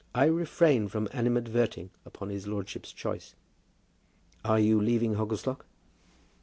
I refrain from animadverting upon his lordship's choice." "And are you leaving Hogglestock?"